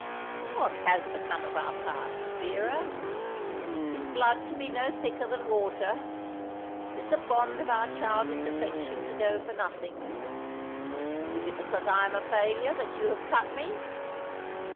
What has become of our past, Vera? Is blood to be no thicker than water? Is the bond of our childish affection to go for nothing? Is it because I am a failure that you have cut me?"